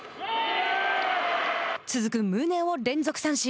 続く宗を連続三振。